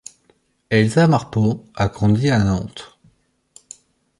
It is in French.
Elsa Marpeau a grandi à Nantes.